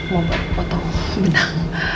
mengo puedong benang